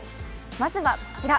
まずはこちら。